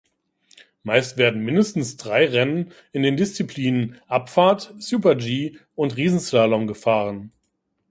Meist werden mindestens drei Rennen in den Disziplinen Abfahrt, Super-G und Riesenslalom gefahren.